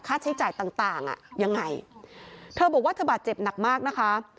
ค่าใช้จ่ายต่างต่างอ่ะยังไงเธอบอกว่าเธอบาดเจ็บหนักมากนะคะ